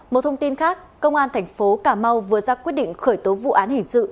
một thông tin khác công an thành phố cà mau vừa ra quyết định khởi tố vụ án hình sự